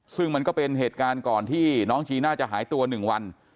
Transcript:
ซึ่งมันก็เป็นเหตุการณ์ก่อนที่น้องจีน่าจะหายตัว๑วัน